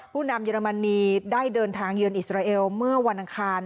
ผู้นำเยอรมนีได้เดินทางเยือนอิสราเอลเมื่อวันอังคาร